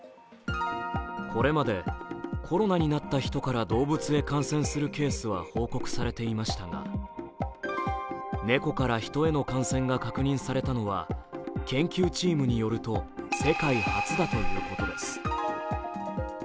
これまでコロナになったヒトから動物へ感染するケースは報告されていましたが、ネコからヒトへの感染が確認されたのは、研究チームによると世界初だということです。